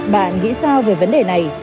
bạn nghĩ sao về vấn đề này